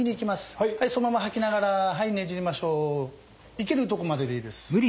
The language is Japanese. いけるとこまででいいです。